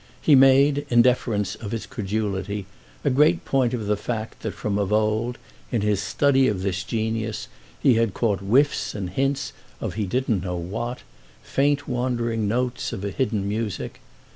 He made, in defence of his credulity, a great point of the fact that from of old, in his study of this genius, he had caught whiffs and hints of he didn't know what, faint wandering notes of a hidden music.